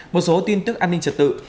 một số tin tức an ninh trật tự